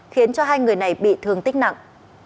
khiến cho hai người này bị thương tích nặng